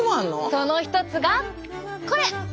その一つがこれ。